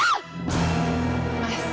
kau pembunuh ayah saya